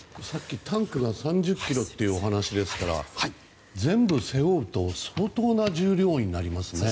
タンクが３０ｋｇというお話ですから全部背負うと相当な重量になりますよね。